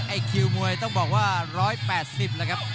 ไอคิวมวยต้องบอกว่า๑๘๐นะครับ